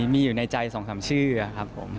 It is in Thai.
มีอยู่ในใจ๒๓ชื่อครับผม